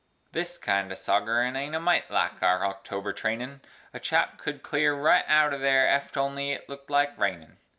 This kind o' sogerin' aint a mite like our October trainin', A chap could clear right out from there ef't only looked like rainin'.